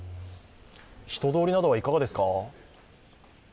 人通りなどはいかがですか？